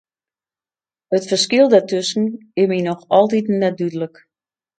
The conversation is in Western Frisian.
It ferskil dêrtusken is my noch altiten net dúdlik.